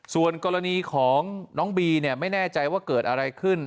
ส่วนกรณีของน้องบีเนี่ยไม่แน่ใจว่าเกิดอะไรขึ้น